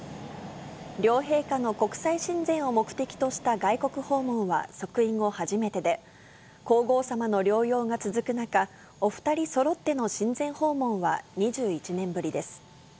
両陛下の国際親善を目的とした外国訪問は即位後初めてで、皇后さまの療養が続く中、お２人そろっての親善訪問は、２１年ぶりです。